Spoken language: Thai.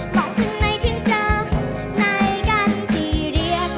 มองถึงในถึงเจอในกันที่เรียกว่ารัก